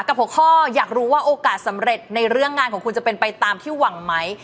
๖ข้ออยากรู้ว่าโอกาสสำเร็จในเรื่องงานของคุณจะเป็นไปตามที่หวังไหม